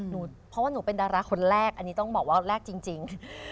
เพราะว่าหนูเป็นดาราคนแรกอันนี้ต้องบอกว่าแรกจริง